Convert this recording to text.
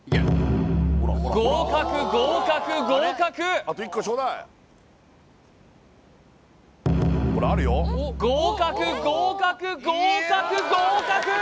合格合格合格合格合格合格合格！